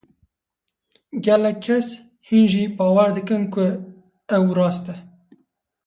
Gelek kes hîn jî bawer dikin ku ew rast e.